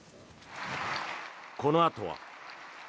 このあとは。